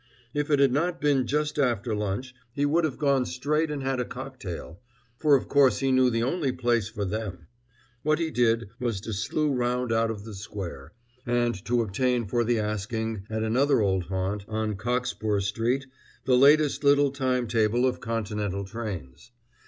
If it had not been just after lunch, he would have gone straight and had a cocktail, for of course he knew the only place for them. What he did was to slue round out of the square, and to obtain for the asking, at another old haunt, on Cockspur Street, the latest little time table of continental trains.